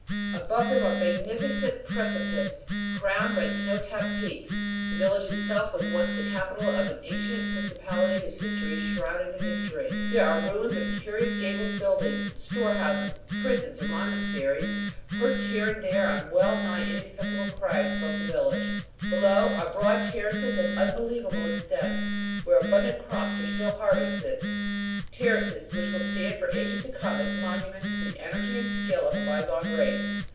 Above them are magnificent precipices crowned by snow capped peaks. The village itself was once the capital of an ancient principality whose history is shrouded in mystery. There are ruins of curious gabled buildings, storehouses, "prisons," or "monasteries," perched here and there on well nigh inaccessible crags above the village. Below are broad terraces of unbelievable extent where abundant crops are still harvested; terraces which will stand for ages to come as monuments to the energy and skill of a bygone race.